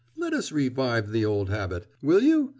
Let us revive the old habit,... will you?